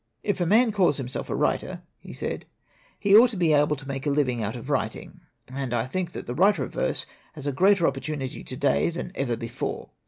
"If a man calls himself a writer," he said, "he ought to be able to make a living out of writing. And I think that the writer of verse has a greater opportunity to day than ever before.